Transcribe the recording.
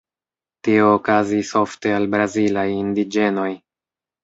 Tio okazis ofte al brazilaj indiĝenoj.